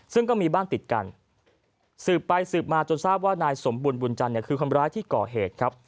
ซึ่งก็มีบ้านติดกันสืบไปสืบมาจนทราบว่านายสมบูรณบุญจันทร์เนี่ยคือคนร้ายที่ก่อเหตุครับ